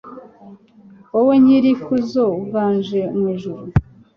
Wowe Nyir’ikuzo uganje mu ijuru